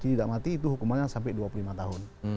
tidak mati itu hukumannya sampai dua puluh lima tahun